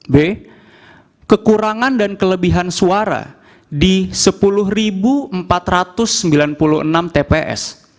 b kekurangan dan kelebihan suara di sepuluh empat ratus sembilan puluh enam tps